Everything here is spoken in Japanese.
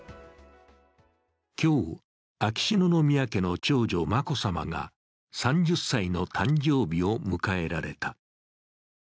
今日、秋篠宮家の長女・眞子さまが３０歳の誕生日を迎えられた。